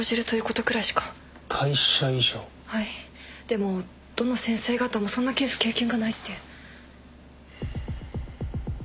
でもどの先生方もそんなケース経験がないって。